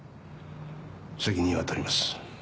責任はとります。